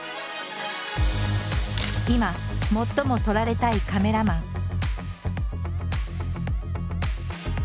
今最も撮られたいカメラマン。